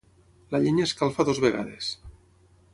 La llenya escalfa dues vegades.